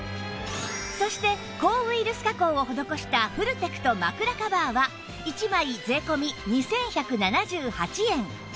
そして抗ウイルス加工を施したフルテクト枕カバーは１枚税込２１７８円